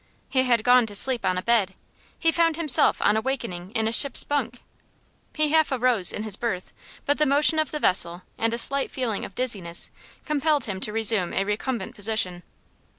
He had gone to sleep on a bed he found himself on awakening in a ship's bunk. He half arose in his birth, but the motion of the vessel and a slight feeling of dizziness compelled him to resume a recumbent position.